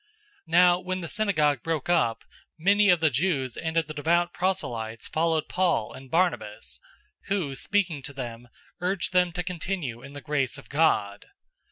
013:043 Now when the synagogue broke up, many of the Jews and of the devout proselytes followed Paul and Barnabas; who, speaking to them, urged them to continue in the grace of God.